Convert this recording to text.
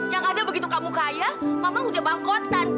yang ada begitu kamu kaya memang udah bangkotan